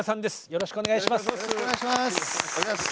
よろしくお願いします。